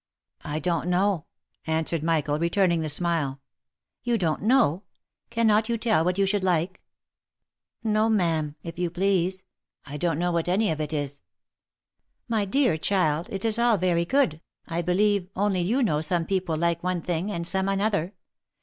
"I don't know," answered Michael, returning the smile. " You don't know? — cannot you tell what you should like?" " No ma'am, if you please ; I don't know what any of it is." " My dear child, it is all very good, I believe, only you know some people like one thing, and some another.